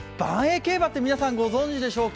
競馬ってご存じでしょうか。